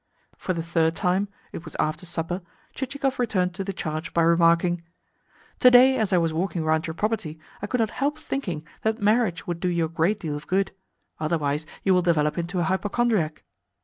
For the third time it was after supper Chichikov returned to the charge by remarking: "To day, as I was walking round your property, I could not help thinking that marriage would do you a great deal of good. Otherwise you will develop into a hypochondriac."